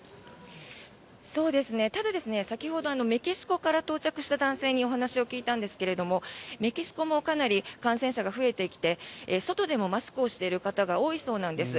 ただ、先ほどメキシコから到着した男性にお話を聞いたんですがメキシコもかなり感染者が増えてきて外でもマスクをしている方が多いそうなんです。